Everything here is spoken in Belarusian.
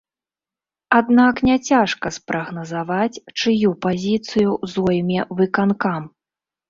Аднак не цяжка спрагназаваць чыю пазіцыю зойме выканкам.